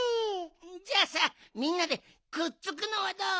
じゃあさみんなでくっつくのはどう？